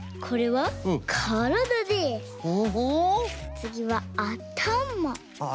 つぎはあたまを。